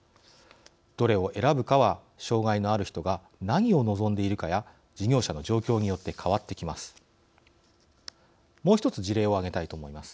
どれを選ぶかは、障害のある人が何を望んでいるかや事業者の状況によって変わってきます。